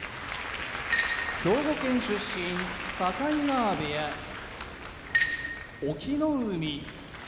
兵庫県出身境川部屋隠岐の海